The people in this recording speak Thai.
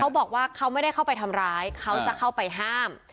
บอกว่าเขาไม่ได้เข้าไปทำร้ายเขาจะเข้าไปห้าม